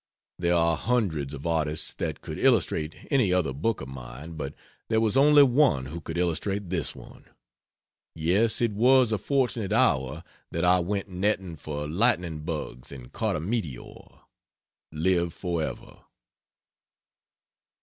There are hundreds of artists that could illustrate any other book of mine, but there was only one who could illustrate this one. Yes, it was a fortunate hour that I went netting for lightning bugs and caught a meteor. Live forever!"